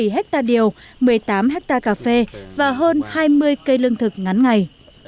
một mươi bảy ha điều một mươi tám ha cà phê và hơn hai mươi cây lương thực ngắn ngày